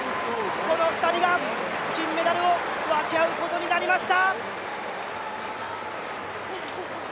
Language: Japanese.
この２人が金メダルを分け合うことになりました。